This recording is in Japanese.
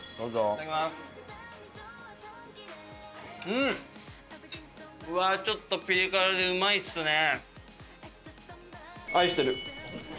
うわちょっとピリ辛でうまいですね。